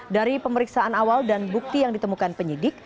dari pemeriksaan awal dan bukti yang ditemukan penyidik